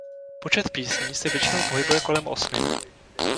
Počet písní se většinou pohybuje kolem osmi.